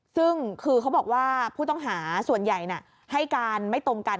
ซึ่งคือเขาบอกว่าผู้ต้องหาส่วนใหญ่ให้การไม่ตรงกัน